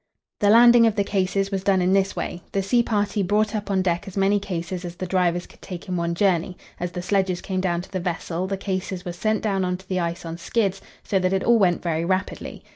The landing of the cases was done in this way: the sea party brought up on deck as many cases as the drivers could take in one journey; as the sledges came down to the vessel, the cases were sent down on to the ice on skids, so that it all went very rapidly.